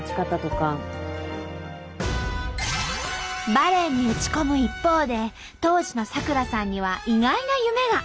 バレーに打ち込む一方で当時の咲楽さんには意外な夢が。